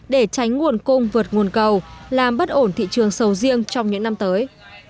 để tránh nguồn cung vượt nguồn cầu làm bất ổn thị trường sầu riêng trong những năm tới